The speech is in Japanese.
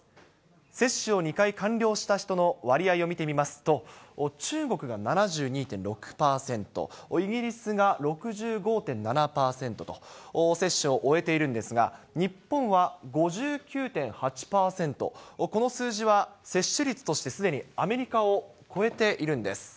接種を２回完了した人の割合を見てみますと、中国が７２．６％、イギリスが６５．７％と、接種を終えているんですが、日本は５９．８％、この数字は接種率として、すでにアメリカを超えているんです。